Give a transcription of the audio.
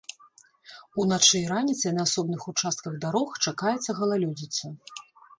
Уначы і раніцай на асобных участках дарог чакаецца галалёдзіца.